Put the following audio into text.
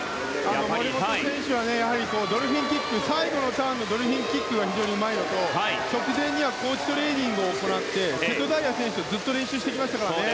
森本選手は最後のターンのドルフィンキックが非常にうまいのと、直前には高地トレーニングを行って瀬戸大也選手とずっと練習してきましたからね。